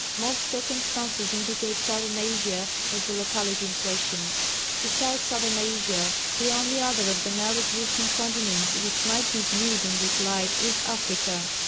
Most circumstances indicate Southern Asia as the locality in question. Besides Southern Asia, the only other of the now existing continents which might be viewed in this light is Africa.